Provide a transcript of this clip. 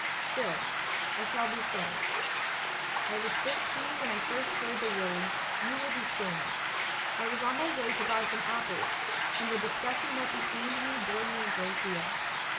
Still, I shall be frank. "I was thirteen when I first heard the words, 'You will be famous.' I was on my way to buy some apples, and the discussion that detained me bored me a great deal.